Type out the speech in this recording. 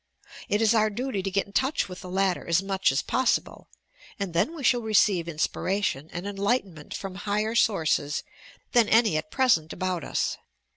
It in our duty to get in 204 TOUR PSYCHIC POWERS touch with the latter as much as possible, and then we shall receive inspiration and enlightenment from higher sources than any at present about us.